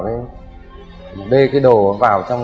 đê cái đồ vào trong cái khu vực sảnh